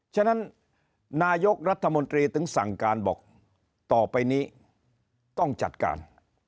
ฉะนั้นนายกรัฐมนตรีถึงสั่งการบอกต่อไปนี้ต้องจัดการ